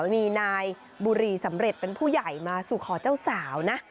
มีนายบุรีสำเร็จเป็นผู้ใหญ่มาสู่ขอเจ้าสาวนะ